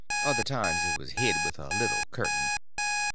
Other times it was hid with a little curtain.